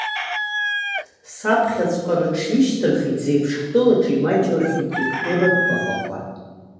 Саԥхьаҵәҟьа рыҽҩышьҭырхит, зеиԥш ҳтәылаҿы имаҷу архитектуратә баҟақәа.